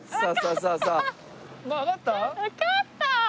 わかった！